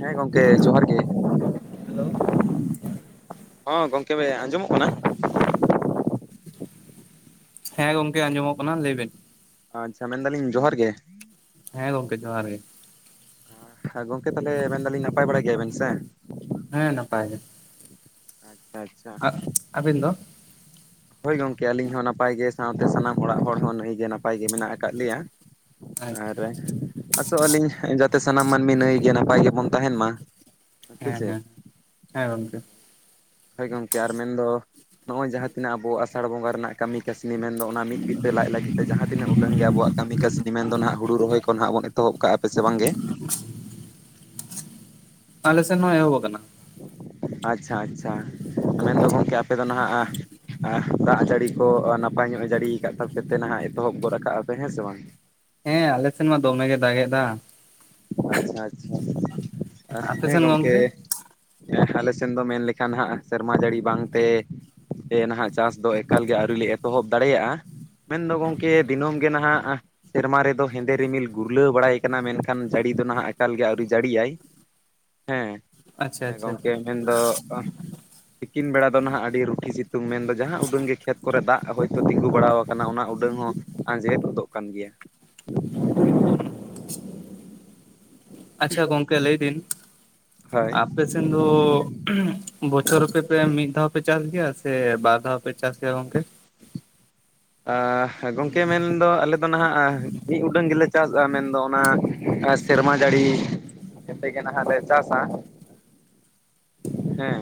ᱦᱮᱸ ᱜᱚᱢᱠᱮ ᱡᱚᱦᱟᱨ ᱜᱮ᱾ ᱦᱮᱞᱳ ᱦᱚᱸ ᱜᱚᱝᱠᱮ ᱟᱸᱡᱚᱢᱚᱜ ᱠᱟᱱᱟ? ᱦᱮᱸ ᱜᱚᱝᱠᱮ ᱟᱸᱡᱚᱢᱚᱜ ᱠᱟᱱᱟ ᱞᱟᱹᱭ ᱵᱮᱱ᱾ ᱟᱪᱪᱷᱟ ᱢᱮᱱᱫᱟᱞᱤᱧ ᱡᱚᱦᱟᱨ ᱜᱮ᱾ ᱦᱮᱸ ᱜᱚᱢᱠᱮ ᱡᱚᱦᱟᱨ ᱜᱮ᱾ ᱦᱮᱸ ᱜᱚᱢᱠᱮ ᱛᱟᱦᱚᱞᱮ ᱢᱮᱱᱫᱟᱞᱤᱧ ᱱᱟᱯᱟᱭ ᱵᱟᱲᱟ ᱜᱮᱭᱟ ᱵᱮᱤᱱ ᱥᱮ? ᱦᱮᱸ ᱱᱟᱯᱟᱭ ᱜᱮ, ᱟᱪᱪᱷᱟ ᱟᱪᱪᱷᱟ᱾ ᱟᱵᱤᱱ ᱫᱚ ᱦᱳᱭ ᱜᱚᱝᱠᱮ ᱟᱹᱞᱤᱧ ᱦᱚᱸ ᱱᱟᱯᱟᱭ ᱜᱮ ᱥᱟᱶᱛᱮ ᱥᱟᱱᱟᱢ ᱚᱲᱟᱜ ᱦᱚᱲ ᱦᱚᱸ ᱱᱟᱹᱭ ᱜᱮ ᱱᱟᱯᱟᱭ ᱜᱮ ᱢᱮᱱᱟᱜ ᱟᱠᱟᱫ ᱞᱮᱭᱟ᱾ ᱟᱨ ᱟᱪᱪᱷᱟ ᱟᱥᱚᱜ ᱟᱹᱞᱤᱧ ᱡᱟᱛᱮ ᱥᱟᱱᱟᱢ ᱢᱟᱹᱱᱢᱤ ᱱᱟᱹᱭ ᱜᱮ ᱱᱟᱯᱟᱭ ᱜᱮᱵᱚᱱ ᱛᱟᱦᱮᱱ ᱢᱟ᱾ ᱥᱮ ᱦᱮᱸ ᱪᱮᱫ ᱦᱮᱸ ᱦᱮᱸ ᱜᱚᱢᱠᱮ, ᱦᱳᱭ ᱜᱚᱢᱠᱮ ᱟᱨ ᱢᱮᱱᱫᱚ ᱱᱚᱜ-ᱚᱭ ᱡᱟᱦᱟᱸ ᱛᱤᱱᱟᱹᱜ ᱟᱵᱚ ᱟᱥᱟᱲ ᱵᱚᱸᱜᱟ ᱨᱮᱱᱟᱜ ᱠᱟᱹᱢᱤ ᱠᱟᱹᱥᱱᱤ ᱢᱮᱱᱫᱚ ᱚᱱᱟ ᱢᱤᱫ ᱵᱤᱛᱟᱹ ᱞᱟᱡ ᱞᱟᱹᱜᱤᱫ ᱛᱮ ᱡᱟᱦᱟᱸ ᱛᱤᱱᱟᱹᱜ ᱩᱰᱟᱹᱝ ᱜᱮ ᱟᱵᱚᱣᱟᱜ ᱠᱟᱹᱢᱤ ᱠᱟᱹᱥᱱᱤ ᱢᱮᱱᱫᱚ ᱦᱟᱸᱜ ᱦᱩᱲᱩ ᱨᱚᱦᱚᱭ ᱠᱚ ᱱᱟᱸᱦᱜ ᱵᱚᱱ ᱮᱛᱚᱦᱚᱵ ᱠᱟᱜ-ᱟ ᱯᱮ ᱥᱮ ᱵᱟᱝᱜᱮ᱾ ᱟᱞᱮ ᱥᱮᱱ ᱢᱟ ᱮᱦᱚᱵ ᱟᱠᱟᱱᱟ᱾ ᱟᱪᱪᱷᱟ ᱟᱪᱪᱷᱟ ᱢᱮᱱᱫᱚ ᱜᱚᱢᱠᱮ ᱟᱯᱮ ᱫᱚ ᱱᱟᱦᱟᱸᱜ ᱟᱦ ᱫᱟᱜ ᱡᱟᱹᱲᱤ ᱠᱚ ᱱᱟᱯᱟᱭ ᱧᱚᱜ ᱡᱟᱹᱲᱤ ᱟᱠᱟᱫ ᱛᱟᱯᱮᱛᱮ ᱱᱟᱦᱟᱜ ᱮᱛᱚᱦᱚᱵ ᱜᱚᱫ ᱠᱟᱜ-ᱟ ᱯᱮ ᱦᱮᱸ ᱥᱮ ᱵᱟᱝ᱾ ᱦᱮᱸ ᱟᱞᱮ ᱥᱮᱱ ᱢᱟ ᱫᱚᱢᱮ ᱜᱮ ᱫᱟᱜ ᱮᱫᱟ᱾ ᱟᱪᱪᱷᱟ ᱟᱪᱪᱷᱟ ᱟᱯᱮ ᱦᱮᱸ ᱥᱮᱱ ᱜᱚᱝᱠᱮ, ᱟᱞᱮ ᱥᱮᱱ ᱫᱚ ᱢᱮᱱ ᱞᱮᱠᱷᱟᱱ ᱦᱟᱸᱜ ᱥᱮᱨᱢᱟ ᱡᱟᱹᱲᱤ ᱵᱟᱝᱛᱮ ᱥᱮ ᱱᱟᱦᱟᱸᱜ ᱪᱟᱥ ᱫᱚ ᱮᱠᱟᱞᱜᱮ ᱟᱹᱣᱨᱤ ᱞᱮ ᱮᱛᱚᱦᱚᱵ ᱫᱟᱲᱮᱭᱟᱜ-ᱟ᱾ ᱢᱮᱱᱫᱚ ᱜᱚᱢᱠᱮ ᱫᱤᱱᱟᱹᱢ ᱜᱮ ᱱᱟᱦᱟᱜ ᱥᱮᱨᱢᱟ ᱨᱮᱫᱚ ᱦᱮᱸᱫᱮ ᱨᱤᱢᱤᱞ ᱜᱩᱨᱞᱟᱹᱣ ᱵᱟᱲᱟᱭ ᱠᱟᱱᱟ, ᱢᱮᱱᱠᱷᱟᱱ ᱠᱷᱟᱱ ᱡᱟᱹᱲᱤ ᱫᱚ ᱱᱟᱦᱟᱜ ᱮᱠᱟᱞ ᱜᱮ ᱟᱹᱣᱨᱤ ᱡᱟᱹᱲᱤᱭᱟᱭ ᱦᱮᱸ ᱟᱪᱪᱷᱟ ᱟᱪᱪᱷᱟ ᱜᱚᱝᱠᱮ, ᱢᱮᱱᱫᱚ ᱛᱤᱠᱤᱱ ᱵᱮᱲᱟ ᱫᱚ ᱱᱟᱦᱟᱜ ᱟᱹᱰᱤ ᱨᱩᱴᱷᱤ ᱥᱤᱛᱩᱝ ᱢᱮᱱᱫᱚ ᱡᱟᱦᱟᱸ ᱩᱰᱟᱹᱝ ᱜᱮ ᱠᱷᱮᱛ ᱠᱚᱨᱮ ᱫᱟᱜ ᱦᱚᱭᱛᱳ ᱛᱤᱜᱩ ᱵᱟᱲᱟᱣ ᱠᱟᱱᱟ ᱚᱱᱟ ᱩᱰᱟᱹᱝ ᱦᱚᱸ ᱟᱸᱡᱮᱫ ᱜᱫᱚᱜ ᱠᱟᱱ ᱜᱮᱭᱟ᱾ ᱟᱪᱪᱷᱟ ᱜᱚᱝᱠᱮ ᱞᱟᱹᱭ ᱫᱤᱱ ᱟᱯᱮ ᱦᱳᱭ ᱟᱯᱮ ᱥᱮᱱ ᱫᱚ ᱵᱚᱪᱷᱚᱨᱮ ᱢᱤᱫ ᱫᱷᱟᱣ ᱯᱮ ᱪᱟᱥ ᱜᱮᱭᱟ ᱥᱮ ᱵᱟᱨ ᱫᱷᱟᱣ ᱯᱮ ᱪᱟᱥ ᱜᱮᱭᱟ ᱜᱚᱝᱠᱮ? ᱟᱦ ᱜᱚᱝᱠᱮ ᱢᱮᱱᱫᱚ ᱟᱞᱮ ᱱᱟᱦᱟᱜ ᱢᱤᱫ ᱩᱰᱟᱹᱝ ᱜᱮᱞᱮ ᱪᱟᱥ-ᱟ ᱢᱮᱱᱫᱚ ᱚᱱᱟ ᱥᱮᱨᱢᱟ ᱡᱟᱹᱲᱤ ᱠᱟᱛᱮᱜᱮ ᱱᱟᱦᱟᱸᱜ ᱞᱮ ᱪᱟᱥᱟ ᱦᱮᱸ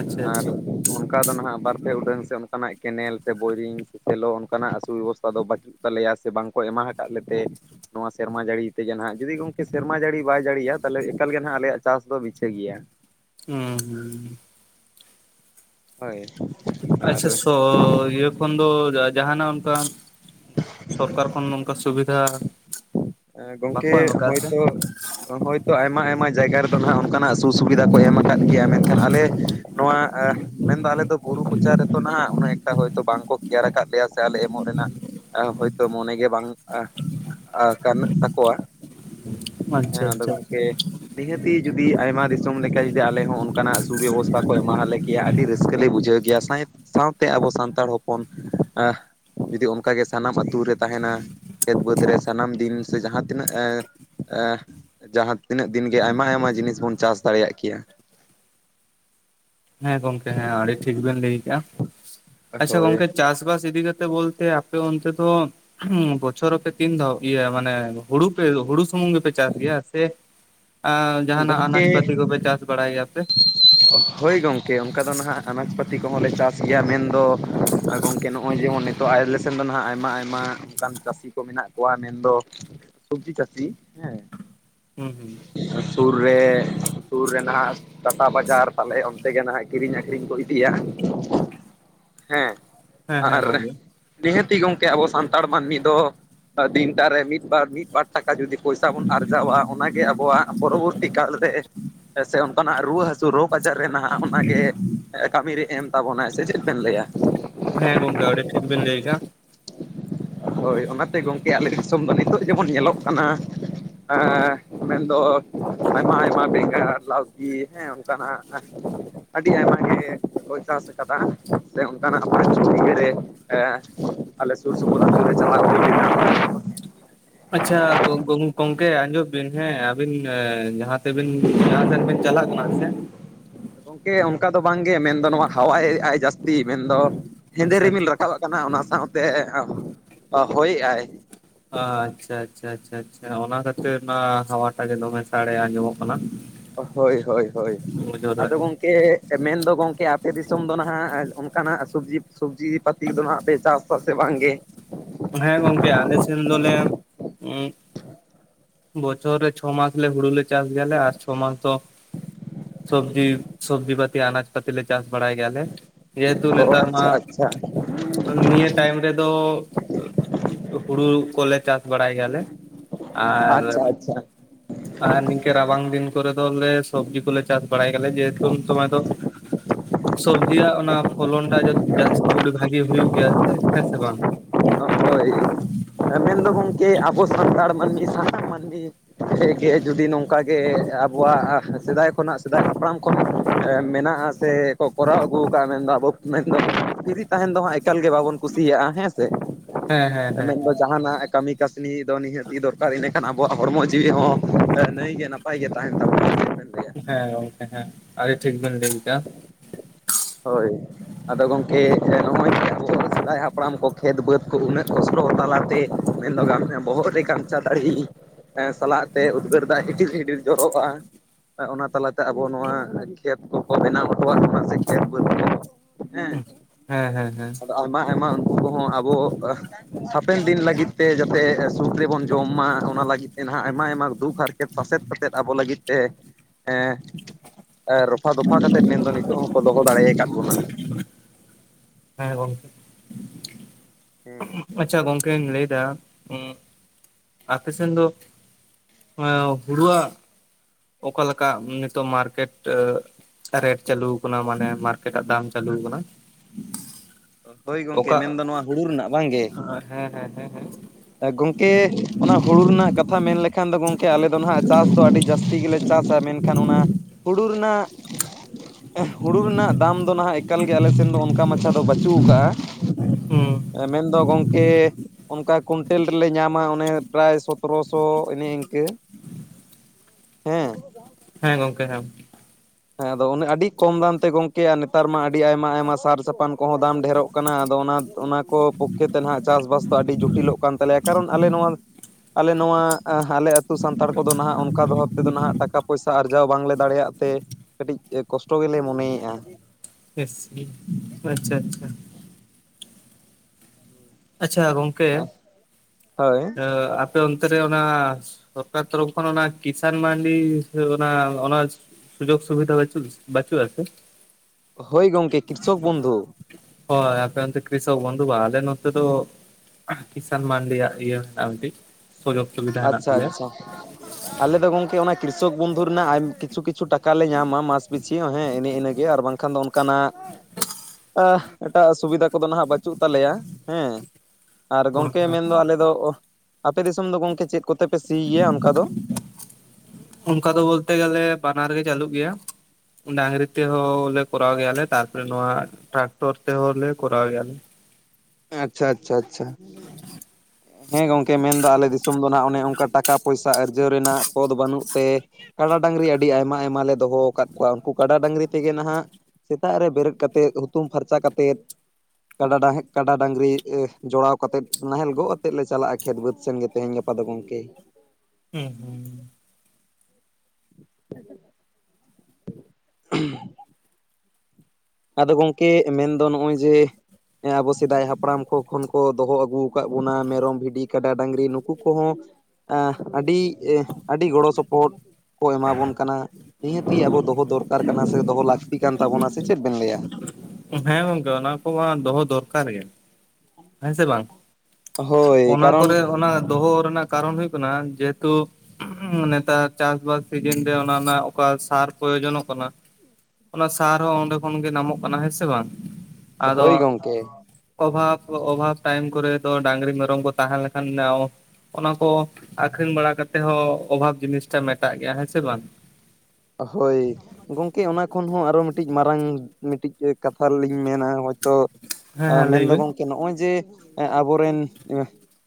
ᱟᱪᱪᱷᱟ ᱟᱨ ᱟᱪᱪᱷᱟ ᱚᱱᱠᱟ ᱫᱚ ᱱᱟᱦᱟᱸᱜ ᱵᱟᱨᱯᱮ ᱩᱰᱟᱹᱝ ᱥᱮ ᱚᱱᱠᱟᱱᱟᱜ ᱠᱮᱱᱮᱞ ᱥᱮ ᱵᱳᱭᱨᱤᱝ ᱥᱮᱞᱳ ᱚᱱᱠᱟᱱᱟᱜ ᱥᱩ ᱵᱮᱵᱚᱥᱛᱷᱟ ᱫᱚ ᱵᱟᱹᱪᱩᱜ ᱛᱟᱞᱮᱭᱟ ᱥᱮ ᱵᱟᱝᱠᱚ ᱮᱢᱟ ᱠᱟᱫ ᱞᱮᱛᱮ ᱱᱚᱣᱟ ᱥᱮᱨᱢᱟ ᱡᱟᱹᱲᱤ ᱛᱮᱜᱮ ᱱᱟᱦᱟᱜ ᱡᱩᱫᱤ ᱜᱚᱝᱠᱮ ᱥᱮᱨᱢᱟ ᱡᱟᱹᱲᱤ ᱵᱟᱭ ᱡᱟᱹᱲᱤᱭᱤᱭᱟ ᱛᱟᱦᱚᱞᱮ ᱮᱠᱟᱞ ᱜᱮ ᱱᱟᱦᱟᱜ ᱟᱞᱮᱭᱟᱜ ᱪᱟᱥ ᱫᱚ ᱵᱤᱪᱷᱟᱹ ᱜᱮᱭᱟ ᱾ ᱦᱩᱸ ᱦᱩᱸ ᱾ ᱦᱳᱭ ᱾ ᱟᱪᱪᱷᱟ ᱥᱚᱻ ᱤᱭᱟᱹ ᱠᱷᱚᱱ ᱫᱚ ᱡᱟ-ᱡᱟᱦᱟᱱᱟᱜ ᱚᱱᱠᱟ ᱥᱚᱨᱠᱟᱨ ᱠᱷᱚᱱ ᱱᱚᱝᱠᱟ ᱥᱩᱵᱤᱫᱷᱟ ᱮ ᱜᱚᱝᱠᱮ ᱵᱟᱠᱚ ᱮᱢ ᱟᱠᱟᱫᱼᱟ ᱦᱳᱭ ᱥᱮ ᱛᱚ ᱦᱳᱭ ᱛᱚ ᱟᱭᱢᱟ ᱟᱭᱢᱟ ᱡᱟᱭᱜᱟ ᱨᱮᱫᱚ ᱱᱟᱜ ᱚᱱᱠᱟᱱᱟᱜ ᱥᱩ-ᱥᱩᱵᱤᱫᱷᱟ ᱠᱚ ᱮᱢ ᱟᱠᱟᱫ ᱜᱮᱭᱟ, ᱢᱮᱱᱠᱷᱟᱱ ᱟᱞᱮ ᱱᱚᱣᱟ ᱟ ᱢᱮᱱ ᱫᱚ ᱟᱞᱮ ᱫᱚ ᱵᱩᱨᱩ ᱠᱚᱪᱟ ᱨᱮᱛᱚ ᱱᱟᱦᱟᱜ ᱩᱱᱟᱹ ᱮᱠᱴᱟ ᱦᱚᱭ ᱛᱚ ᱵᱟᱝ ᱠᱚ ᱠᱮᱭᱟᱨ ᱟᱠᱟᱫ ᱞᱮᱭᱟ ᱥᱮ ᱟᱞᱮ ᱮᱢᱚᱜ ᱨᱮᱱᱟᱜ ᱾ ᱟ ᱦᱚᱭ ᱛᱚ ᱢᱚᱱᱮ ᱜᱮ ᱵᱟᱝ [inaudible] ᱠᱟᱱ ᱛᱟᱠᱚᱣᱟ ᱦᱮᱸ ᱟᱪᱪᱷᱟ ᱟᱫᱚ ᱟᱪᱪᱷᱟ ᱜᱚᱝᱠᱮ ᱱᱤᱦᱟᱹᱛᱤ ᱡᱩᱫᱤ ᱟᱭᱢᱟ ᱫᱤᱥᱚᱢ ᱞᱮᱠᱟ ᱡᱩᱫᱤ ᱟᱞᱮ ᱦᱚᱸ ᱚᱱᱠᱟᱱᱟᱜ ᱥᱩᱵᱮᱵᱚᱥᱛᱷᱟ ᱠᱚ ᱮᱢᱟ ᱦᱟᱞᱮ ᱠᱮᱭᱟ ᱟᱹᱰᱤ ᱨᱟᱹᱥᱠᱟᱹ ᱞᱮ ᱵᱩᱡᱷᱟᱹᱣ ᱠᱮᱭᱟ, ᱥᱟᱸᱭ ᱥᱟᱶᱛᱮ ᱟᱵᱚ ᱥᱟᱱᱛᱟᱲ ᱦᱚᱯᱚᱱ ᱟᱸ ᱡᱩᱫᱤ ᱚᱱᱠᱟ ᱜᱮ ᱥᱟᱱᱟᱢ ᱟᱹᱛᱩ ᱨᱮ ᱛᱟᱦᱮᱱᱟ ᱠᱷᱮᱛ ᱵᱟᱹᱫᱽ ᱨᱮ ᱥᱟᱱᱟᱢ ᱫᱤᱱ ᱥᱮ ᱡᱟᱦᱟᱸ ᱛᱤᱱᱟᱹᱜ ᱮ ᱮ ᱡᱟᱦᱟ ᱛᱤᱱᱟᱹᱜ ᱫᱤᱱ ᱜᱮ ᱟᱭᱢᱟ ᱟᱭᱢᱟ ᱡᱤᱱᱤᱥ ᱵᱚᱱ ᱪᱟᱥ ᱫᱟᱲᱮᱭᱟᱜ ᱠᱮᱭᱟ ᱾ ᱦᱮᱸ ᱜᱚᱝᱠᱮ ᱦᱮᱸ ᱟᱹᱲᱤ ᱴᱷᱤᱠ ᱵᱮᱱ ᱞᱟᱹᱭ ᱠᱮᱜᱼᱟ ᱾ ᱟᱪᱪᱷᱟ ᱦᱳᱭ ᱜᱚᱝᱠᱮ ᱪᱟᱥ ᱵᱟᱥ ᱤᱫᱤ ᱠᱟᱛᱮ ᱵᱚᱞᱛᱮ ᱟᱯᱮ ᱚᱱᱛᱮ ᱛᱚ ᱦᱩᱸ ᱵᱚᱪᱷᱚᱨ ᱟᱯᱮ ᱛᱤᱱ ᱫᱷᱟᱣ ᱤᱭᱟᱹ ᱢᱟᱱᱮ ᱦᱩᱲᱩ ᱯᱮ ᱦᱩᱲᱩ ᱥᱩᱢᱩᱝ ᱜᱮ ᱯᱮ ᱪᱟᱥ ᱜᱮᱭᱟ ᱥᱮ ᱟᱸ ᱡᱟᱦᱟᱱᱟᱜ ᱟᱱᱟᱡ ᱜᱚᱝᱠᱮ ᱯᱟᱹᱛᱤ ᱠᱚᱯᱮ ᱪᱟᱥ ᱵᱟᱲᱟᱭ ᱜᱮ ᱟᱯᱮ? ᱦᱳᱭ ᱜᱚᱝᱠᱮ ᱚᱱᱠᱟ ᱫᱚ ᱱᱟᱦᱟᱜ ᱟᱱᱟᱡ ᱯᱟᱹᱛᱤ ᱠᱚᱦᱚᱸ ᱞᱮ ᱪᱟᱥ ᱜᱮᱭᱟ, ᱢᱮᱱ ᱫᱚ ᱟᱨ ᱜᱚᱝᱠᱮ ᱱᱚᱜᱼᱚᱭ ᱡᱮᱢᱚᱱ ᱱᱤᱛᱚᱜ ᱟᱭᱞᱮ ᱥᱮᱱ ᱫᱚ ᱱᱟᱸᱜ ᱟᱭᱢᱟ ᱟᱭᱢᱟ ᱚᱱᱠᱟᱱ ᱪᱟᱹᱥᱤ ᱠᱚ ᱢᱮᱱᱟᱜ ᱠᱚᱣᱟ ᱢᱮᱱ ᱫᱚ ᱥᱚᱵᱽᱡᱤ ᱪᱟᱹᱥᱤ ᱦᱮᱸ ᱾ ᱦᱩᱸ ᱦᱩᱸ ᱾ ᱥᱩᱨ ᱨᱮ ᱥᱩᱨ ᱨᱮ ᱱᱟᱦᱟᱜ ᱴᱟᱴᱟ ᱵᱟᱡᱟᱨ ᱛᱟᱞᱮ ᱚᱱᱛᱮ ᱜᱮ ᱱᱟᱦᱟᱜ ᱠᱤᱨᱤᱧ ᱟᱹᱠᱷᱨᱤᱧ ᱠᱚ ᱤᱫᱤᱭᱟ ᱾ ᱦᱮᱸ, ᱦᱮᱸ ᱦᱮᱸ ᱟᱨ ᱜᱚᱝᱠᱮ ᱱᱤᱦᱟᱹᱛᱤ ᱜᱚᱝᱠᱮ ᱟᱵᱚ ᱥᱟᱱᱛᱟᱲ ᱢᱟᱹᱱᱢᱤ ᱫᱚ ᱫᱤᱱ ᱴᱟ ᱨᱮ ᱢᱤᱫ ᱵᱟᱨ ᱢᱤᱫ ᱵᱟᱨ ᱴᱟᱠᱟ ᱡᱩᱫᱤ ᱯᱚᱭᱥᱟ ᱵᱚᱱ ᱟᱨᱡᱟᱣᱟ ᱚᱱᱟ ᱜᱮ ᱟᱵᱚᱣᱟᱜ ᱯᱷᱩᱨᱛᱤ ᱠᱟᱞ ᱨᱮ ᱥᱮ ᱚᱱᱠᱟᱱᱟᱜ ᱨᱩᱣᱟᱹ ᱦᱟᱹᱥᱩ ᱨᱳᱜᱽ ᱟᱡᱟᱨ ᱨᱮ ᱱᱟᱦᱟᱜ ᱚᱱᱟᱜᱮ ᱠᱟᱹᱢᱤ ᱢᱤ ᱨᱮ ᱮᱢ ᱛᱟᱵᱚᱱᱟᱭ ᱥᱮ ᱪᱮᱫ ᱵᱮᱱ ᱞᱟᱹᱭᱼᱟ? ᱦᱮᱸ ᱜᱚᱝᱠᱮ ᱟᱹᱰᱤ ᱴᱷᱤᱠ ᱵᱤᱱ ᱞᱟᱹᱭ ᱠᱟᱜᱼᱟ ᱾ ᱦᱳᱭ ᱚᱱᱟ ᱛᱮ ᱜᱚᱝᱠᱮ ᱟᱞᱮ ᱫᱤᱥᱚᱢ ᱫᱚ ᱱᱤᱛᱚᱜ ᱡᱮᱢᱚᱱ ᱧᱮᱞᱚᱜ ᱠᱟᱱᱟ ᱦᱮᱸᱻ ᱢᱮᱱ ᱫᱚ ᱟᱭᱢᱟ ᱟᱭᱢᱟ ᱵᱮᱸᱜᱟᱲ ᱞᱟᱹᱣᱠᱤ ᱦᱮᱸ ᱚᱱᱠᱟ ᱱᱟᱸᱜ ᱟᱹᱰᱤ ᱟᱭᱢᱟ ᱜᱮ ᱠᱚ ᱪᱟᱥ ᱠᱟᱫᱟ ᱥᱮ ᱚᱱᱠᱟ ᱱᱟᱸᱜ [unintelligible] ᱵᱤᱜᱷᱟᱹ ᱨᱮ ᱮᱸ ᱟᱞᱮ ᱥᱩᱨ ᱥᱩᱯᱩᱨ ᱟᱹᱛᱩ ᱨᱮ ᱪᱟᱞᱟᱣ ᱦᱩᱭ ᱞᱮᱱᱟ ᱾ ᱟᱪᱪᱷᱟ ᱜᱚ-ᱜᱚᱝ-ᱜᱚᱝᱠᱮ ᱟᱸᱡᱚᱢ ᱵᱤᱱ ᱦᱮᱸ ᱟᱵᱤᱱ ᱮ ᱡᱟᱦᱟ ᱛᱮ ᱵᱤᱱ ᱡᱟᱦᱟ ᱥᱮᱱ ᱵᱤᱱ ᱪᱟᱞᱟᱜ ᱠᱟᱱᱟ ᱥᱮ? [unintelligible] [inaudible] ᱜᱚᱝᱠᱮ ᱚᱱᱠᱟ ᱫᱚ ᱵᱟᱝ ᱜᱮ ᱢᱮᱱ ᱫᱚ ᱱᱚᱣᱟ ᱦᱟᱣᱟᱭ ᱮᱜᱟᱭ ᱡᱟᱹᱥᱛᱤ ᱢᱮᱱ ᱫᱚ ᱦᱮᱸᱫᱮ ᱟᱪᱪᱷᱟ ᱨᱤᱢᱤᱞ ᱨᱟᱠᱟᱵ ᱠᱟᱱᱟ ᱚᱱᱟ ᱥᱟᱶᱛᱮ [inaudible] ᱦᱚᱭ ᱮᱜᱟᱭ ᱾ ᱟᱪᱪᱷᱟ ᱟᱪᱪᱷᱟ ᱟᱪᱪᱷᱟ ᱟᱪᱪᱷᱟ ᱚᱱᱟ ᱠᱷᱟᱹᱛᱤᱨ ᱚᱱᱟ ᱦᱟᱣᱟ ᱴᱟᱜ ᱜᱮ ᱫᱚᱢᱮ ᱥᱟᱲᱮ ᱟᱸᱡᱚᱢᱚᱜ ᱠᱟᱱᱟ ᱾ ᱦᱳᱭ, ᱦᱳᱭ, ᱦᱳᱭ, ᱟᱫᱚ ᱜᱚᱝᱠᱮ ᱢᱮᱱ ᱫᱚ ᱜᱚᱝᱠᱮ ᱟᱯᱮ ᱫᱤᱥᱚᱢ ᱫᱚ ᱱᱟᱦᱟᱜ ᱚᱱᱠᱟᱱᱟᱜ ᱥᱚᱵᱽᱡᱤ ᱥᱚᱵᱽᱡᱤ ᱯᱟᱹᱛᱤ ᱠᱚᱫᱚ ᱱᱟᱜ ᱯᱮ ᱪᱟᱥᱼᱟ ᱥᱮ ᱵᱟᱝ ᱜᱮ? ᱦᱮᱸ ᱜᱚᱝᱠᱮ ᱟᱞᱮ ᱥᱮᱱ ᱫᱚ ᱞᱮ ᱩᱸ ᱵᱚᱪᱷᱚᱨ ᱨᱮ ᱪᱷᱚ ᱢᱟᱥ ᱞᱮ ᱦᱩᱲᱩ ᱞᱮ ᱪᱟᱥ ᱜᱮᱭᱟ ᱞᱮ ᱟᱨ ᱪᱷᱚ ᱢᱟᱥ ᱫᱚ ᱥᱚᱵᱽᱡᱤ ᱥᱚᱵᱽᱡᱤ ᱯᱟᱹᱛᱤ ᱟᱱᱟᱪᱽ ᱯᱟᱹᱛᱤ ᱞᱮ ᱪᱟᱥ ᱵᱟᱲᱟᱭ ᱜᱮᱭᱟ ᱞᱮ ᱡᱮ ᱦᱮᱛᱩ ᱚ ᱱᱮᱛᱟᱨ ᱢᱟ ᱟᱪᱪᱷᱟ ᱟᱪᱪᱷᱟ ᱱᱤᱭᱟᱹ ᱴᱟᱭᱤᱢ ᱨᱮᱫᱚ, ᱦᱩᱲᱩ ᱠᱚᱞᱮ ᱪᱟᱥ ᱵᱟᱲᱟᱭ ᱜᱮᱭᱟ ᱞᱮ᱾ ᱟᱨ ᱟᱪᱪᱷᱟ ᱟᱪᱪᱷᱟ ᱟᱨ ᱱᱤᱝᱠᱟᱹ ᱨᱟᱵᱟᱝ ᱫᱤᱱ ᱠᱚᱨᱮ ᱫᱚ ᱵᱚᱞᱮ ᱥᱚᱵᱽᱡᱤ ᱠᱚᱞᱮ ᱪᱟᱥ ᱵᱟᱲᱟᱭ ᱜᱮᱞᱮ ᱡᱮ ᱦᱮᱛᱩ ᱫᱚᱢᱮ ᱫᱚ᱾ [inaudible] ᱥᱚᱵᱡᱤᱭᱟᱜ ᱚᱱᱟ ᱯᱷᱚᱞᱚᱱ ᱴᱟᱜ [inaudible] ᱡᱟᱹᱥᱛᱤ ᱟᱹᱰᱤ ᱵᱷᱟᱜᱤ ᱦᱩᱭᱩᱜ ᱜᱮᱭᱟ ᱥᱮ ᱦᱮᱸ ᱥᱮ ᱾ ᱢᱮᱱ ᱫᱚ ᱜᱚᱝᱠᱮ ᱟᱵᱚ ᱥᱟᱱᱛᱟᱲ ᱢᱟᱹᱱᱢᱤ ᱥᱟᱱᱛᱟᱲ ᱢᱟᱹᱱᱢᱤ ᱦᱮᱸ ᱜᱮ ᱡᱩᱫᱤ ᱱᱚᱝᱠᱟ ᱜᱮ ᱟᱵᱚᱣᱟᱜ ᱥᱮᱫᱟᱭ ᱠᱷᱚᱱᱟᱜ ᱥᱮᱫᱟᱭ ᱦᱟᱯᱲᱟᱢ ᱠᱷᱚᱱᱟᱜ ᱢᱮᱱᱟᱜᱼᱟ᱾ ᱥᱮ ᱠᱚ ᱠᱚᱨᱟᱣ ᱟᱹᱜᱩ ᱠᱟᱜᱼᱟ, ᱢᱮᱱ ᱫᱚ ᱟᱵᱚ ᱢᱮᱱ ᱫᱚ ᱯᱷᱤᱨᱤ ᱛᱟᱦᱮᱱ ᱫᱚ ᱦᱟᱸᱜ ᱮᱠᱟᱞ ᱜᱮ ᱵᱟᱵᱚᱱ ᱠᱩᱥᱤᱭᱟᱜᱼᱟ ᱦᱮᱸ ᱥᱮ᱾ ᱦᱮᱸ ᱦᱮᱸ ᱦᱮᱸ ᱦᱮᱸ᱾ ᱡᱟᱸᱦᱟᱱᱟᱜ ᱠᱟᱹᱢᱤ ᱠᱟᱹᱥᱱᱤ ᱫᱚ ᱱᱤᱦᱟᱹᱛᱤ ᱫᱚᱨᱠᱟᱨ ᱤᱱᱟᱹᱠᱷᱟᱱ ᱟᱵᱚᱣᱟᱜ ᱦᱚᱲᱢᱚ ᱡᱤᱣᱤ ᱦᱚᱸ ᱱᱟᱹᱭ ᱜᱮ ᱱᱟᱯᱟᱭ ᱜᱮ ᱛᱟᱦᱮᱱ ᱛᱟᱵᱚᱱᱟ [inaudible] ᱨᱮᱭᱟᱜ᱾ ᱦᱮᱸ ᱜᱚᱝᱠᱮ ᱦᱮᱸ ᱟᱰᱮ ᱴᱷᱤᱠ ᱵᱮᱱ ᱞᱟᱹᱭ ᱠᱮᱫᱟ᱾ ᱦᱳᱭ᱾ ᱟᱫᱚ ᱜᱚᱝᱠᱮ ᱱᱚᱜᱼᱚᱭ ᱡᱮ ᱥᱮᱫᱟᱭ ᱦᱟᱯᱲᱟᱢ ᱠᱚ ᱠᱷᱮᱛ ᱵᱟᱹᱫᱽ ᱠᱚ ᱩᱱᱟᱹᱜ ᱠᱚᱥᱴᱚ ᱛᱟᱞᱟ ᱛᱮ ᱢᱮᱱ ᱫᱚ ᱵᱚᱦᱚᱜ ᱨᱮ ᱜᱟᱢᱪᱷᱟ ᱫᱟᱸᱦᱟᱲᱤ᱾ ᱦᱮᱸ ᱥᱟᱞᱟᱜ ᱛᱮ ᱩᱫᱽᱜᱟᱹᱨ ᱫᱚ ᱦᱤᱰᱤᱨ ᱦᱤᱰᱤᱨ ᱡᱚᱨᱚᱜᱼᱟ᱾ ᱚᱱᱟ ᱛᱟᱞᱟ ᱛᱮ ᱟᱵᱚ ᱱᱚᱣᱟ ᱠᱷᱮᱛ ᱠᱚᱠᱚ ᱵᱮᱱᱟᱣ ᱦᱚᱴᱚᱣᱟᱜ ᱵᱚᱱᱟ ᱥᱮ ᱠᱷᱮᱛ ᱵᱟᱹᱫᱽ ᱠᱚ᱾ ᱦᱮᱸ, ᱦᱮᱸ ᱦᱮᱸ ᱦᱮᱸ ᱟᱫᱚ ᱟᱭᱢᱟ ᱟᱭᱢᱟ ᱩᱱᱠᱩ ᱠᱚᱦᱚᱸ ᱟᱵᱚ ᱦᱟᱯᱮᱱ ᱫᱤᱱ ᱞᱟᱹᱜᱤᱫ ᱛᱮ ᱡᱟᱛᱮ ᱥᱩᱠ ᱨᱮᱵᱚᱱ ᱡᱚᱢ ᱢᱟ ᱚᱱᱟ ᱞᱟᱹᱜᱤᱫ ᱛᱮ ᱱᱟᱦᱟᱜ ᱟᱭᱢᱟ ᱟᱭᱢᱟ ᱫᱩᱠ ᱦᱟᱨᱠᱮᱛ ᱥᱟᱥᱮᱛ ᱠᱟᱛᱮᱫ ᱟᱵᱚ ᱞᱟᱹᱜᱤᱫ ᱛᱮ, ᱦᱮᱸ ᱨᱚᱯᱷᱟ ᱫᱚᱯᱷᱟ ᱠᱟᱛᱮᱫ ᱢᱮᱱᱫᱚ ᱱᱤᱛᱚᱜ ᱦᱚᱸᱠᱚ ᱫᱚᱦᱚ ᱫᱟᱲᱮᱠᱟᱫ ᱵᱚᱱᱟ᱾ ᱦᱮᱸ ᱜᱚᱝᱠᱮ, ᱦᱮᱸ ᱟᱪᱪᱷᱟ ᱜᱚᱝᱠᱮᱧ ᱞᱟᱹᱭᱫᱟ᱾ ᱟᱯᱮ ᱥᱮᱱ ᱫᱚ ᱦᱩᱲᱩᱣᱟᱜ᱾ ᱚᱠᱟ ᱞᱮᱠᱟ ᱱᱤᱛᱚᱜ ᱢᱟᱨᱠᱮᱴ, ᱟ ᱨᱮᱴ ᱪᱟᱹᱞᱩ ᱟᱠᱟᱱᱟ ᱢᱟᱱᱮ, ᱢᱟᱨᱠᱮᱴ ᱟᱜ ᱫᱟᱢ ᱪᱟᱹᱞᱩ ᱟᱠᱟᱱᱟ᱾ ᱦᱳᱭ ᱜᱚᱝᱠᱮ ᱢᱮᱱᱫᱚ ᱱᱚᱣᱟ ᱦᱩᱲᱩ ᱨᱮᱱᱟᱜ ᱵᱟᱝ ᱜᱮ᱾ ᱦᱮᱸ ᱦᱮᱸ ᱦᱮᱸ ᱦᱮᱸ ᱜᱚᱝᱠᱮ ᱚᱱᱟ ᱦᱩᱲᱩ ᱨᱮᱱᱟᱜ᱾ ᱠᱟᱛᱷᱟ ᱢᱮᱱ ᱞᱮᱠᱷᱟᱱ ᱫᱚ ᱜᱚᱢᱠᱮ ᱟᱞᱮ ᱫᱚ ᱱᱟᱦᱟᱜ ᱪᱟᱥ ᱫᱚ ᱟᱹᱰᱤ ᱡᱟᱹᱥᱛᱤ ᱜᱮᱞᱮ ᱪᱟᱥᱟ ᱢᱮᱱᱠᱷᱟᱱ ᱚᱱᱟ ᱦᱩᱲᱩ ᱨᱮᱱᱟᱜ, ᱦᱩᱲᱩ ᱨᱮᱱᱟᱜ ᱫᱟᱢ ᱫᱚ ᱱᱟᱦᱟᱜ ᱮᱠᱟᱞ ᱜᱮ ᱟᱞᱮ ᱥᱮᱱ ᱫᱚ ᱚᱱᱠᱟ ᱢᱟᱪᱷᱟ ᱫᱚ ᱵᱟᱪ ᱵᱟᱪᱩᱜ ᱦᱩᱸ ᱟᱠᱟᱜᱼᱟ ᱢᱮᱱᱫᱚ ᱜᱚᱢᱠᱮ᱾ ᱚᱱᱠᱟ ᱠᱱᱴᱮᱞ ᱨᱮᱞᱮ ᱧᱟᱢᱟ ᱚᱱᱮ ᱯᱨᱟᱭ ᱥᱚᱛᱨᱚᱥᱚ ᱤᱱᱤ ᱤᱱᱠᱟᱹ᱾ ᱦᱮᱸ ᱦᱮᱸ ᱜᱚᱝᱠᱮ ᱦᱮᱸ᱾ ᱦᱮᱸ ᱟᱫᱚ ᱟᱹᱰᱤ ᱠᱚᱢ ᱫᱟᱢ ᱛᱮ ᱜᱚᱝᱠᱮ ᱟᱨ ᱱᱮᱛᱟᱨ ᱢᱟ ᱟᱹᱰᱤ ᱟᱭᱢᱟ ᱟᱭᱢᱟ ᱥᱟᱨ ᱪᱟᱟᱯᱟᱱ ᱠᱚᱦᱚᱸ ᱫᱟᱢ ᱰᱷᱮᱨᱚᱜ ᱠᱟᱱᱟ ᱟᱫᱚ ᱚᱱᱟ ᱚᱱᱟ ᱠᱚ ᱯᱚᱠᱠᱷᱮ ᱛᱮ ᱱᱟᱦᱟᱜ ᱪᱟᱥᱵᱟᱥ ᱫᱚ ᱟᱹᱰᱤ ᱡᱚᱴᱤᱞᱚᱜ ᱠᱟᱱ ᱛᱟᱞᱮᱭᱟ ᱠᱟᱨᱚᱱ ᱟᱞᱮ ᱱᱚᱣᱟ ᱟᱞᱮ ᱱᱚᱣᱟ᱾ ᱟᱞᱮ ᱟᱹᱛᱩ ᱥᱟᱱᱛᱟᱲ ᱠᱚᱫᱚ ᱱᱟᱦᱟᱜ ᱚᱱᱠᱟ ᱫᱚ ᱵᱷᱟᱵ ᱛᱮᱫᱚ ᱱᱟᱦᱟᱜ ᱴᱟᱠᱟ ᱯᱚᱭᱥᱟ ᱟᱨᱡᱟᱣ ᱵᱟᱝᱞᱮ ᱫᱟᱲᱮᱭᱟᱜ ᱛᱮ᱾ ᱠᱟᱹᱴᱤᱡ ᱠᱚᱥᱴᱚ ᱜᱮᱞᱮ ᱢᱚᱱᱮᱭᱮᱜᱼᱟ᱾ ᱤᱥ ᱟᱪᱪᱷᱟ ᱟᱪᱪᱷᱟ᱾ ᱟᱪᱪᱷᱟ ᱜᱚᱝᱠᱮ ᱦᱳᱭ [inaudible] ᱟᱯᱮ ᱚᱱᱛᱮ ᱨᱮ ᱚᱱᱟ ᱥᱚᱨᱠᱟᱨ ᱛᱚᱨᱚᱯᱷ ᱠᱷᱚᱱ ᱚᱱᱟ ᱠᱤᱥᱟᱱ ᱢᱟᱱᱰᱤ ᱚᱱᱟ, ᱚᱱᱟ ᱥᱩᱡᱳᱜ ᱥᱩᱵᱤᱫᱷᱟ ᱵᱟᱪᱩᱜ ᱵᱟᱪᱩᱜ ᱟᱥᱮ᱾ ᱦᱳᱭ ᱜᱚᱝᱠᱮ ᱠᱨᱤᱥᱚᱠ ᱵᱚᱱᱫᱷᱩ᱾ ᱦᱚᱭ ᱟᱯᱮ ᱚᱱᱛᱮ ᱠᱨᱤᱥᱚᱠ ᱵᱚᱱᱫᱩ ᱵᱟᱦ ᱟᱞᱮ ᱛᱮᱫᱚ ᱠᱤᱥᱟᱱ ᱢᱟᱱᱰᱤᱭᱟᱜ ᱤᱭᱟᱹ [unintelligible] ᱥᱩᱵᱤᱫᱷᱟ ᱦᱮᱱᱟᱜ ᱟᱪᱪᱷᱟ ᱛᱟᱞᱮᱭᱟ ᱟᱪᱪᱷᱟ ᱟᱞᱮ ᱫᱚ ᱜᱚᱝᱠᱮ ᱚᱱᱟ ᱠᱨᱤᱥᱚᱠ ᱵᱚᱱᱫᱷᱩ ᱨᱮᱱᱟᱜ ᱟᱭᱢ ᱠᱤᱪᱷᱩ ᱠᱤᱪᱷᱩ ᱴᱟᱠ ᱠᱟ ᱞᱮ ᱧᱟᱢᱟ ᱢᱟᱥ ᱯᱤᱪᱷᱤ ᱦᱚᱸ ᱮᱱᱮ ᱤᱱᱟᱹᱜᱮ ᱟᱨ ᱵᱟᱝᱠᱷᱟᱱ ᱫᱚ ᱚᱱᱠᱟᱱᱟᱜ ᱟᱦ ᱮᱴᱟᱜ ᱥᱩᱵᱤᱫᱷᱟ ᱠᱚᱫᱚ ᱱᱟᱦᱟᱜ ᱵᱟᱹᱪᱩᱜ ᱛᱟᱞᱮᱭᱟ ᱦᱮᱸ᱾ ᱟᱨ ᱜᱚᱝᱠᱮ ᱢᱮᱱᱫᱚ ᱟᱞᱮ ᱫᱚ ᱚ᱾ ᱟᱯᱮ ᱫᱤᱥᱚᱢ ᱫᱚ ᱜᱚᱝᱠᱮ ᱪᱮᱫ ᱠᱚᱛᱮ ᱯᱮ ᱥᱤ ᱜᱮᱭᱟ ᱚᱱᱠᱟ ᱫᱚ? ᱚᱱᱠᱟ ᱫᱚ ᱵᱚᱞᱛᱮ ᱜᱮᱞᱮ ᱵᱟᱱᱟᱨ ᱜᱮ ᱪᱟᱹᱞᱩᱜ ᱜᱮᱭᱟ᱾ ᱰᱟᱝᱨᱤ ᱛᱮᱦᱚᱸ ᱞᱮ ᱠᱚᱨᱟᱣ ᱜᱮᱭᱟᱞᱮ ᱛᱟᱨᱯᱚᱨᱮ ᱱᱚᱣᱟ ᱴᱨᱟᱠᱴᱚᱨ ᱛᱮᱦᱚᱸ ᱞᱮ ᱠᱚᱨᱟᱣ ᱜᱮᱭᱟᱞᱮ᱾ ᱟᱪᱪᱷᱟ ᱟᱪᱪᱷᱟ ᱟᱪᱪᱷᱟ᱾ ᱦᱮᱸ ᱜᱚᱝᱠᱮ ᱢᱮᱱᱫᱚ ᱟᱞᱮ ᱫᱤᱥᱚᱢ ᱫᱚ ᱱᱟᱦᱟᱜ ᱚᱱᱮ ᱚᱱᱠᱟ ᱴᱟᱠᱟ ᱯᱚᱭᱥᱟ ᱟᱹᱨᱡᱟᱹᱣ ᱨᱮᱱᱟᱜ ᱯᱚᱫ ᱵᱟᱹᱱᱩᱜ ᱛᱮ ᱠᱟᱰᱟ ᱰᱟᱹᱝᱨᱤ ᱟᱹᱰᱤ ᱟᱭᱢᱟ ᱟᱭᱢᱟ ᱞᱮ ᱫᱚᱦᱚ ᱟᱠᱟᱫ ᱠᱚᱣᱟ ᱩᱱᱠᱩ ᱠᱟᱰᱟ ᱰᱟᱹᱝᱨᱤ ᱛᱮᱜᱮ ᱱᱟᱦᱟᱜ ᱥᱮᱛᱟᱜ ᱨᱮ ᱵᱮᱨᱮᱫ ᱠᱟᱛᱮᱫ, ᱦᱩᱛᱩᱢ ᱯᱷᱟᱨᱪᱟ ᱠᱟᱛᱮᱫ ᱠᱟᱰᱟ ᱰᱟᱦᱤ ᱠᱟᱰᱟ ᱰᱟᱝᱝᱨᱤ ᱮ ᱡᱚᱲᱟᱣ ᱠᱟᱛᱮᱫ, ᱱᱟᱦᱮᱞ ᱜᱚᱜ ᱟᱛᱮᱫ ᱞᱮ ᱪᱟᱞᱟᱜᱼᱟ ᱠᱷᱮᱛ ᱵᱟᱹᱫᱽ ᱥᱮᱱ ᱜᱮ ᱛᱮᱦᱮᱧ ᱜᱟᱯᱟ ᱫᱚ ᱜᱚᱝᱠᱮ᱾ ᱦᱮᱸ ᱦᱩᱸ᱾ [inaudible] ᱟᱫᱚ ᱜᱚᱝᱠᱮ ᱢᱮᱱᱫᱚ ᱱᱚᱜᱼᱚᱭ ᱡᱮ ᱟᱵᱚ ᱥᱮᱫᱟᱭ ᱦᱟᱯᱲᱟᱢ ᱠᱚ ᱠᱷᱚᱱ ᱠᱚ ᱫᱚᱦᱚ ᱟᱹᱜᱩᱣ ᱟᱠᱟᱜ ᱵᱚᱱᱟ ᱢᱮᱨᱚᱢ, ᱵᱷᱤᱰᱤ, ᱠᱟᱰᱟ, ᱰᱟᱹᱝᱨᱤ ᱱᱩᱠᱩ ᱠᱚᱦᱚᱸ ᱟ ᱟᱹᱰᱤ ᱟᱹᱰᱤ ᱮ ᱟᱹᱰᱤ ᱜᱚᱲᱚ ᱥᱚᱯᱚᱦᱚᱫ ᱠᱚ ᱮᱢᱟ ᱵᱚᱱ ᱠᱟᱱᱟ᱾ ᱱᱤᱦᱟᱹᱛᱤ ᱟᱵᱚ ᱫᱚᱦᱚ ᱫᱚᱨᱠᱟᱨ ᱠᱟᱱᱟ ᱥᱮ ᱫᱚᱦᱚ ᱞᱟᱹᱠᱛᱤ ᱠᱟᱱ ᱛᱟᱵᱚᱱᱟ, ᱥᱮ ᱪᱮᱫ ᱵᱮᱱ ᱞᱟᱹᱭ-ᱟ? ᱦᱮᱸ ᱜᱚᱝᱠᱮ ᱚᱱᱟ ᱠᱚ ᱢᱟ ᱫᱚᱦᱚ ᱫᱚᱨᱠᱟᱨ ᱜᱮ᱾ ᱦᱮᱸ ᱥᱮ ᱵᱟᱝ᱾ ᱦᱳᱭ ᱚᱱᱟ ᱠᱟᱨᱚᱱ ᱠᱚᱨᱮ ᱚᱱᱟ ᱫᱚᱦᱚ ᱨᱮᱱᱟᱜ ᱠᱟᱨᱚᱱ ᱦᱩᱭᱩᱜ ᱠᱟᱱᱟ ᱡᱮᱦᱮᱛᱩ ᱦᱩᱸ ᱱᱮᱛᱟᱨ ᱪᱟᱥ ᱵᱟᱥ ᱥᱤᱡᱤᱱ ᱨᱮ ᱚᱱᱟ ᱨᱮᱱᱟᱜ ᱚᱠᱟ ᱥᱟᱨ ᱯᱨᱚᱭᱳ ᱡᱚᱱᱚᱜ ᱠᱟᱱᱟ ᱚᱱᱟ ᱥᱟᱨ ᱦᱚᱸ ᱚᱸᱰᱮ ᱠᱷᱚᱱ ᱜᱮ ᱱᱟᱢᱚᱜ ᱠᱟᱱᱟ ᱦᱮᱸ ᱥᱮ ᱵᱟᱝ? ᱟᱫᱚ ᱦᱳᱭ ᱜᱚᱝᱠᱮ ᱚᱵᱷᱟᱵ ᱚᱵᱷᱟᱵ ᱴᱟᱭᱤᱢ ᱠᱚᱨᱮ ᱫᱚ ᱰᱟᱹᱝᱨᱤ ᱢᱮᱨᱚᱢ ᱠᱚ ᱛᱟᱦᱮᱸ ᱞᱮᱠᱷᱟᱱ ᱱᱮᱣ ᱚᱱᱟ ᱠᱚ ᱟᱹᱠᱷᱨᱤᱧ ᱵᱟᱲᱟ ᱠᱟᱛᱮ ᱦᱚᱸ ᱚᱵᱷᱟᱵ ᱡᱤᱱᱤᱥ ᱴᱟ ᱢᱮᱴᱟᱜ ᱜᱮᱭᱟ ᱦᱮᱸ ᱥᱮ ᱵᱟᱝ? ᱦᱳᱭ᱾ ᱜᱚᱝᱠᱮ ᱚᱱᱟ ᱠᱷᱚᱱ ᱦᱚᱸ ᱟᱨᱚ ᱢᱤᱫᱴᱤᱡ ᱢᱟᱨᱟᱝ ᱢᱤᱫᱴᱤᱡ ᱠᱟᱛᱷᱟ ᱞᱤᱧ ᱢᱮᱱᱟ ᱦᱚᱭᱛᱚ ᱦᱮᱸ ᱦᱮᱸ ᱢᱮᱱ ᱞᱟᱹᱭ ᱫᱚ ᱵᱤᱱ ᱜᱚᱝ ᱠᱮ ᱱᱚᱜᱼᱚᱭ ᱡᱮ ᱟᱵᱚ ᱨᱮᱱ ᱮ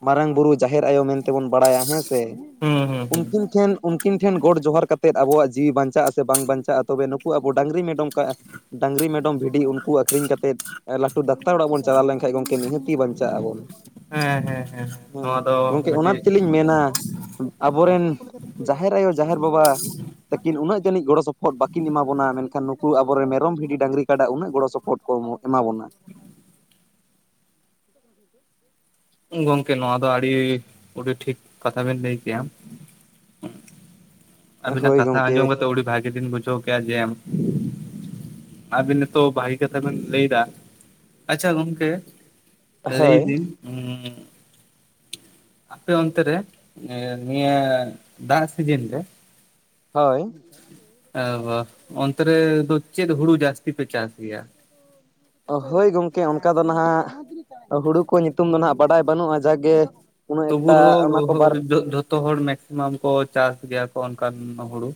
ᱢᱟᱨᱟᱝ ᱵᱩᱨᱩ, ᱡᱟᱦᱮᱨ ᱟᱭᱳ ᱢᱮᱱ ᱛᱮ ᱵᱚᱱ ᱵᱟᱲᱟᱭᱟ ᱦᱮᱸ ᱥᱮ᱾ ᱦᱩᱸ ᱦᱩᱸ ᱛᱮ ᱦᱩᱸ ᱩᱱᱠᱤᱱ ᱴᱷᱮᱱ ᱩᱱᱠᱤᱱ ᱴᱷᱮᱱ ᱜᱚᱸᱰ ᱡᱚᱦᱟᱨ ᱠᱟᱛᱮᱫ ᱟᱵᱚᱣᱟᱜ ᱡᱤᱣᱤ ᱵᱟᱧᱪᱟᱜ-ᱟ ᱥᱮ ᱵᱟᱝ ᱵᱟᱧᱪᱟᱜᱼᱟ ᱛᱚᱵᱮ ᱱᱩᱠᱩ ᱟᱵᱚ ᱰᱟᱹᱝᱨᱤ ᱢᱮᱰᱚᱢ ᱠᱟᱜᱼᱟ ᱰᱟᱹᱝᱨᱤ ᱢᱮᱰᱚᱢ ᱵᱷᱤ ᱞᱤᱧ ᱩᱱᱠᱩ ᱟᱹᱠᱷᱨᱤᱧ ᱠᱟᱛᱮᱫ ᱞᱟᱹᱴᱩ ᱰᱟᱠᱛᱟᱨ ᱚᱲᱟᱜ ᱵᱚᱱ ᱪᱟᱞᱟᱣ ᱞᱮᱱ ᱠᱷᱟᱡ ᱜᱚᱝᱠᱮ ᱱᱤᱦᱟᱹᱛᱤ ᱵᱟᱧᱪᱟᱜ ᱟᱵᱚᱱ᱾ ᱦᱮᱸ ᱦᱮᱸ ᱦᱮᱸ ᱱᱚᱣᱟ ᱫᱚ ᱜᱚᱝᱠᱮ ᱚᱱᱟ ᱢᱤᱫᱴᱤᱡ ᱛᱮᱞᱤᱧ ᱢᱮᱱᱟ ᱟᱵᱚ ᱨᱮᱱ ᱡᱟᱦᱮᱨ ᱟᱭᱳ, ᱡᱟᱦᱮᱨ ᱵᱟᱵᱟ ᱛᱟᱹᱠᱤᱱ ᱩᱱᱟᱹᱜ ᱡᱟᱹᱱᱤᱡ ᱜᱚᱲᱚ ᱥᱚᱯᱚᱦᱚᱫ ᱵᱟᱠᱤᱱ ᱮᱢᱟ ᱵᱚᱱᱟ ᱢᱮᱱᱠᱷᱟᱱ ᱱᱩᱠᱩ ᱟᱵᱚ ᱨᱮᱱ ᱢᱮᱨᱚᱢ ᱵᱷᱤᱰᱤ ᱰᱟᱹᱝᱨᱤ ᱠᱟᱰᱟ ᱩᱱᱟᱹᱜ ᱜᱚᱲᱚ ᱥᱚᱯᱚᱦᱚᱫ ᱠᱚ ᱮᱢᱚᱜ ᱮᱢᱟ ᱵᱚᱱᱟ᱾ [inaudible] ᱜᱚᱝᱠᱮ ᱱᱚᱣᱟ ᱫᱚ ᱟᱹᱰᱤ ᱩᱰᱤ ᱴᱷᱤᱠ ᱠᱟᱛᱷᱟ ᱵᱤᱱ ᱞᱟᱹᱭ ᱠᱮ-ᱟ ᱟᱹᱵᱤᱱᱟᱜ ᱦᱳᱭ ᱠᱟᱛᱷᱟ ᱟᱸᱡᱚᱢ ᱜᱚᱝᱠᱮ ᱠᱟᱛᱮᱜ ᱩᱰᱤ ᱵᱷᱟᱹᱜᱮ ᱞᱤᱱ ᱵᱩᱡᱷᱟᱹᱣ ᱠᱮᱜ-ᱟ ᱡᱮᱢ ᱟᱵᱤᱱ ᱱᱤᱛᱚᱜ ᱵᱷᱟᱹᱜᱮ ᱠᱟᱛᱷᱟ ᱵᱤᱱ ᱞᱟᱹᱭᱫᱟ᱾ ᱟᱪᱪᱷᱟ ᱜᱚᱝᱠᱮ ᱞᱟᱹᱭ ᱦᱳᱭ ᱫᱤᱧ ᱩᱸᱻ ᱟᱯᱮ ᱚᱱᱛᱮ ᱨᱮ ᱱᱤᱭᱟᱹ ᱫᱟᱜ ᱥᱤᱡᱤᱱ ᱨᱮ ᱦᱳᱭ᱾ ᱚᱱᱛᱮ ᱨᱮ ᱫᱚ ᱪᱮᱫ ᱦᱩᱲᱩ ᱡᱟᱹᱥᱛᱤ ᱯᱮ ᱪᱟᱥ ᱜᱮᱭᱟ? ᱦᱳᱭ ᱜᱚᱝᱠᱮ ᱚᱱᱠᱟ ᱫᱚ ᱱᱟᱦᱟᱜ ᱦᱩᱲᱩ ᱠᱚ ᱧᱩᱛᱩᱢ ᱫᱚ ᱱᱟᱦᱟᱸᱜ ᱵᱟᱰᱟᱭ ᱵᱟᱹᱱᱩᱜᱼᱟ᱾ ᱡᱟᱜ ᱜᱮ ᱛᱚᱵᱩ ᱨᱮ ᱦᱚᱸ ᱡᱷᱚ-ᱡᱷᱚᱛᱚ ᱦᱚᱲ ᱢᱮᱠᱥᱤ‌ᱢᱟᱢ ᱠᱚ ᱪᱟᱥ ᱜᱮᱭᱟ ᱠᱚ ᱚᱱᱠᱟᱱ ᱦᱩᱲᱩ᱾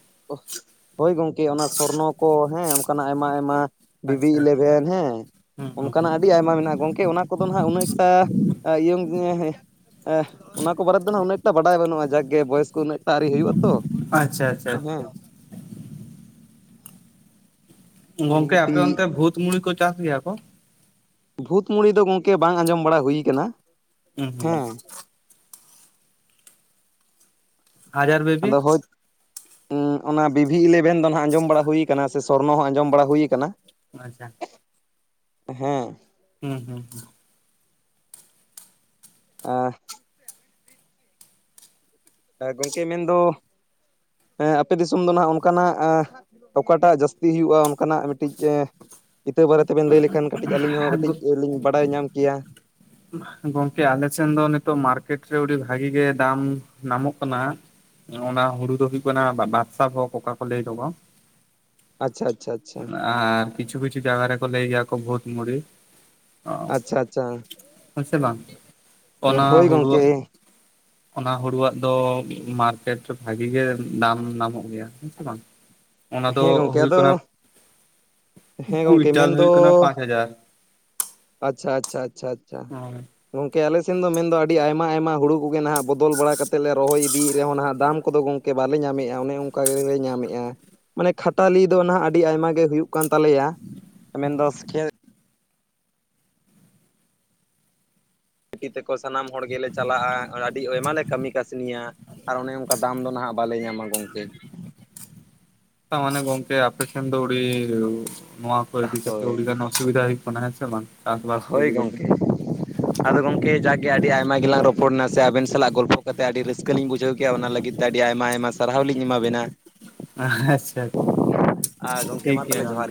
ᱦᱳᱭ ᱜᱚᱝᱠᱮ ᱚᱱᱟ ᱥᱚᱨᱱᱚ ᱠᱚ ᱦᱮᱸ ᱚᱱᱠᱟᱱᱟᱜ ᱟᱭᱢᱟ ᱟᱭᱢᱟ ᱵᱤᱵᱤ ᱟᱪᱪᱷᱟ ᱤᱞᱮᱵᱷᱮᱱ ᱦᱮᱸ ᱦᱩᱸ ᱚᱱᱠᱟᱱᱟᱜ ᱦᱩᱸ ᱟᱹᱰᱤ ᱟᱭᱢᱟ ᱢᱮᱱᱟᱜᱼᱟ ᱜᱚᱝᱠᱮ ᱚᱱᱟ ᱠᱚᱫᱚ ᱦᱟᱸᱜ ᱩᱱᱟᱹᱜ ᱮᱠᱴᱟ [unintelligible] ᱚᱱᱟ ᱠᱚ ᱵᱟᱨᱮ ᱛᱮ ᱦᱟᱸᱜ ᱩᱱᱟᱹᱜ ᱮᱠᱴᱟ ᱵᱟᱰᱟᱭ ᱵᱟᱹᱱᱩᱜᱼᱟ ᱡᱟᱜᱮ ᱵᱚᱭᱮᱥ ᱠᱚ ᱩᱱᱟᱹᱜ ᱟᱹᱣᱨᱤ ᱦᱩᱭᱩᱜᱼᱟ ᱛᱚ ᱾ ᱟᱪᱪᱷᱟ ᱟᱪᱪᱷᱟᱷᱟ ᱾ ᱦᱚᱸᱻ ᱜᱚᱝᱠᱮ ᱟᱯᱮ ᱱᱤᱦᱟᱹᱛᱤ ᱚᱱᱛᱮ ᱵᱷᱩᱛ ᱢᱩᱲᱤ ᱠᱚ ᱪᱟᱥ ᱜᱮᱭᱟ ᱠᱚ ᱾ ᱵᱷᱩᱛ ᱢᱩᱲᱤ ᱫᱚ ᱜᱚᱝᱠᱮ ᱵᱟᱝ ᱟᱸᱡᱚᱢ ᱵᱟᱲᱟ ᱦᱩᱭ ᱟᱠᱟᱱᱟ ᱾ ᱩᱦᱩᱸᱻ ᱦᱟᱡᱟᱨ ᱵᱮᱵᱤ ᱟᱫᱚ ᱦᱳᱭ ᱚᱱᱟ ᱵᱤᱵᱷᱤ ᱤᱞᱮᱵᱷᱮᱱ ᱫᱚ ᱦᱟᱸᱜ ᱟᱸᱡᱚᱢ ᱵᱟᱲᱟ ᱦᱩᱭ ᱟᱠᱟᱱᱟ ᱾ ᱥᱮ ᱥᱚᱨᱱᱚ ᱦᱚᱸ ᱟᱸᱡᱚᱢ ᱵᱟᱲᱟ ᱦᱩᱭ ᱟᱠᱟᱱᱟ ᱾ ᱟᱪᱪᱷᱟ ᱾ ᱦᱮᱸ ᱾ ᱦᱩᱸ ᱦᱩᱸ ᱦᱩᱸ ᱮᱸᱻ ᱜᱚᱝᱠᱮ ᱢᱮᱱ ᱫᱚ ᱟᱯᱮ ᱫᱤᱥᱚᱢ ᱫᱚ ᱱᱷᱟᱜ ᱚᱱᱠᱟ ᱱᱟᱜ ᱚᱠᱟ ᱴᱟᱜ ᱡᱟᱹᱥᱛᱤ ᱦᱩᱭᱩᱜᱼᱟ ᱚᱱᱠᱟ ᱱᱟᱜ ᱢᱤᱫ ᱴᱤᱡ ᱤᱛᱟᱹ ᱵᱟᱨᱮ ᱛᱮ ᱵᱮᱱ ᱞᱟᱹᱭ ᱞᱮᱠᱷᱟᱱ ᱠᱟᱹᱴᱤᱡ ᱟᱹᱞᱤᱧ ᱦᱚᱸ ᱠᱟᱹᱴᱤᱡ ᱦᱩᱸ ᱞᱤᱧ ᱵᱟᱲᱟᱭ ᱧᱟᱢ ᱠᱮᱭᱟ ᱾ ᱜᱚᱝᱠᱮ ᱟᱞᱮ ᱥᱮᱱ ᱫᱚ ᱱᱤᱛᱚᱜ ᱢᱟᱨᱠᱮᱴ ᱨᱮ ᱟᱹᱰᱤ ᱵᱷᱟᱹᱜᱤ ᱜᱮ ᱫᱟᱢ ᱧᱟᱢᱚᱜ ᱠᱟᱱᱟ ᱾ ᱚᱱᱟ ᱦᱳᱲᱳ ᱫᱚ ᱦᱩᱭᱩᱜ ᱠᱟᱱᱟ ᱵᱟ ᱵᱟᱫᱥᱟ ᱠᱚ ᱠᱚᱠᱟ ᱠᱚ ᱞᱟᱹᱭ ᱫᱚᱠᱚ ᱾ ᱟᱪᱪᱷᱟ ᱟᱪᱪᱷᱟ ᱟᱪᱪᱷᱟ ᱟᱨ ᱠᱤᱪᱷᱩ ᱠᱤᱪᱷᱩ ᱡᱟᱭᱜᱟ ᱨᱮᱠᱚ ᱞᱟᱹᱭ ᱜᱮᱭᱟ ᱠᱚ ᱵᱷᱩᱛ ᱢᱩᱲᱤ ᱾ ᱟᱪᱷᱟ ᱟᱪᱷᱟ ᱚᱱᱟ ᱦᱚᱭ ᱜᱚᱝᱠᱮ ᱦᱩᱲᱩᱣᱟᱜ ᱾ ᱚᱱᱟ ᱦᱳᱲᱳᱣᱟᱜ ᱫᱚ ᱢᱟᱨᱠᱮᱴ ᱨᱮ ᱵᱷᱟᱹᱜᱤ ᱜᱮ ᱫᱟᱢ ᱧᱟᱢᱚᱜ ᱜᱮᱭᱟ ᱦᱮᱸ ᱥᱮ ᱵᱟᱝ ᱾ ᱚᱱᱟ ᱫᱚ ᱦᱮᱸ ᱜᱚᱝᱠᱮ ᱦᱩᱭᱩᱜ ᱟᱫᱚ ᱠᱟᱱᱟ ᱦᱮᱸ ᱜᱚᱝᱠᱮ ᱠᱩᱭᱮᱱᱴᱟᱞ ᱦᱩᱭᱩᱜ ᱠᱟᱱᱟ ᱯᱟᱸᱪ ᱦᱟᱡᱟᱨ ᱾ ᱟᱪᱷᱟ ᱟᱪᱷᱟ ᱟᱪᱷᱟ ᱟᱪᱷᱟ ᱾ ᱜᱚᱝᱠᱮ ᱟᱞᱮ ᱥᱮᱱ ᱫᱚ ᱢᱮᱱᱫᱚ ᱟᱹᱰᱤ ᱟᱭᱢᱟ ᱟᱭᱢᱟ ᱦᱳᱲᱳ ᱠᱚᱜᱮ ᱱᱷᱟᱜ ᱵᱚᱫᱚᱞ ᱵᱟᱲᱟ ᱠᱟᱛᱮᱫ ᱞᱮ ᱨᱚᱦᱚᱭ ᱤᱫᱤᱭᱮᱫ ᱨᱮᱦᱚᱸ ᱱᱷᱟᱜ ᱫᱟᱢ ᱠᱚᱫᱚ ᱜᱚᱢᱠᱮ ᱵᱟᱞᱮ ᱧᱟᱢᱮᱫ-ᱟ ᱚᱱᱮ ᱚᱱᱠᱟ ᱜᱮᱞᱮ ᱧᱟᱢᱮᱫ-ᱟ ᱾ ᱢᱟᱱᱮ ᱠᱷᱟᱴᱟᱞᱤ ᱫᱚ ᱱᱷᱟᱜ ᱟᱹᱰᱤ ᱟᱭᱢᱟ ᱜᱮ ᱦᱩᱭᱩᱜ ᱠᱟᱱ ᱛᱟᱞᱮᱭᱟ ᱢᱮᱱᱫᱚ ᱠᱷᱮ ᱡᱮᱛᱮ ᱠᱚ ᱥᱟᱱᱟᱢ ᱦᱚᱲ ᱜᱮᱞᱮ ᱪᱟᱞᱟᱜ-ᱟ ᱟᱹᱰᱤ ᱟᱭᱢᱟ ᱞᱮ ᱠᱟᱹᱢᱤ ᱠᱟᱹᱥᱱᱤᱭᱟ ᱾ ᱟᱨ ᱚᱱᱮ ᱚᱱᱠᱟ ᱫᱟᱢ ᱫᱚ ᱱᱷᱟᱜ ᱵᱟᱞᱮ ᱧᱟᱢᱟ ᱜᱚᱢᱠᱮ ᱾ ᱛᱚ ᱢᱟᱱᱮ ᱜᱚᱝᱠᱮ ᱟᱯᱮᱥᱮᱱ ᱫᱚ ᱩᱰᱤ ᱱᱚᱶᱟ ᱠᱚ ᱤᱫᱤ ᱠᱟᱛᱮ ᱦᱳᱭ ᱟᱹᱰᱤᱜᱟᱱ ᱥᱩᱵᱤᱫᱟ ᱦᱩᱭᱩᱜ ᱠᱟᱱᱟ ᱦᱮᱸ ᱪᱮ ᱵᱟᱝ ᱾ ᱦᱚᱭ ᱜᱚᱝᱠᱮ ᱟᱫᱚ ᱜᱚᱢᱠᱮ ᱡᱟᱠᱜᱮ ᱟᱹᱰᱤ ᱟᱭᱢᱟ ᱜᱮᱞᱟᱝ ᱨᱚᱯᱚᱲ ᱨᱚᱯᱚᱲᱮᱱᱟ ᱥᱮ ᱟᱹᱵᱤᱱ ᱥᱟᱞᱟᱜ ᱜᱚᱞᱯᱷᱚ ᱠᱟᱛᱮ ᱟᱹᱰᱤ ᱨᱟᱹᱥᱠᱟᱹ ᱞᱤᱧ ᱵᱩᱡᱷᱟᱹᱣ ᱠᱮᱜ-ᱟ ᱚᱱᱟ ᱞᱟᱹᱜᱤᱫ ᱛᱮ ᱟᱹᱰᱤ ᱟᱭᱢᱟ ᱟᱭᱢᱟ ᱥᱟᱨᱦᱟᱣ ᱞᱤᱧ ᱮᱢᱟᱵᱤᱱᱟ ᱾ ᱟᱪᱷᱟ ᱟᱨ ᱜᱚᱝᱠᱮ ᱴᱷᱤᱠ ᱢᱟ ᱜᱮᱭᱟ ᱛᱟᱦᱚᱞᱮ ᱜᱚᱝᱠᱮ ᱾ ᱡᱚᱦᱟᱨ